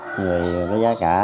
rồi cái giá cả